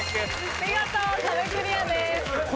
見事壁クリアです。